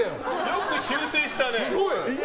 よく修正したね。